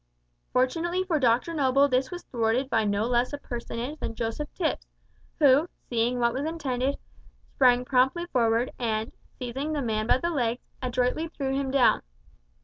Fortunately for Dr Noble this was thwarted by no less a personage than Joseph Tipps, who, seeing what was intended, sprang promptly forward, and, seizing the man by the legs adroitly threw him down.